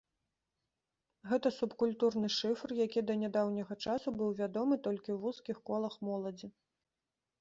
Гэта субкультурны шыфр, які да нядаўняга часу быў вядомы толькі ў вузкіх колах моладзі.